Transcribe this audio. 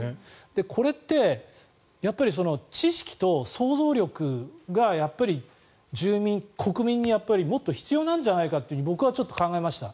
これって知識と想像力がやっぱり住民、国民にもっと必要なんじゃないかと僕はちょっと考えました。